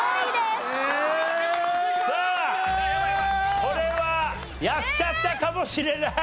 さあこれはやっちゃったかもしれない。